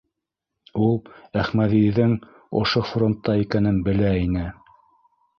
Ул Әхмәҙиҙең ошо фронтта икәнен белә ине.